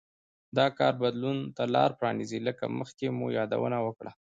دا کار بدلون ته لار پرانېزي لکه مخکې مو یادونه وکړه